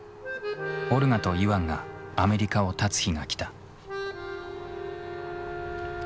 オルガとイワンがアメリカをたつ日が来た。